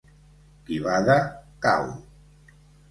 Qui bada, cau.